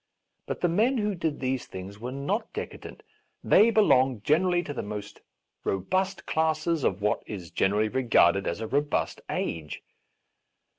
But the men who did these things were not decadent ; they belonged generally to the most robust classes of what is generally regarded as a robust age.